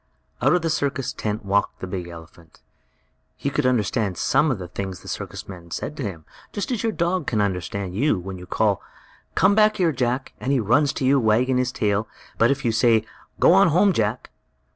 Out of the circus tent walked the big elephant. He could understand some of the things the circus men said to him, just as your dog can understand you, when you call: "Come here, Jack!" Then he runs to you, wagging his tail. But if you say: "Go on home, Jack!"